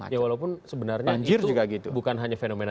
ya walaupun sebenarnya itu bukan hanya fenomena